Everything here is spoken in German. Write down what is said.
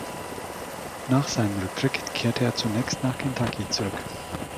Nach seinem Rücktritt kehrte er zunächst nach Kentucky zurück.